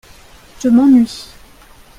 Je m'ennuie.